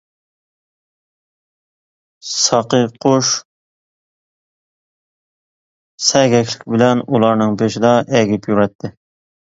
ساقىيقۇش سەگەكلىك بىلەن ئۇلارنىڭ بېشىدا ئەگىپ يۈرەتتى.